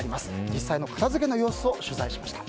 実際の片づけの様子を取材しました。